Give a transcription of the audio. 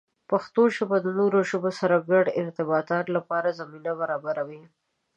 پښتو ژبه د نورو ژبو سره د ګډو ارتباطاتو لپاره زمینه برابروي.